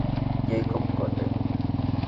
Jakob, Köthen.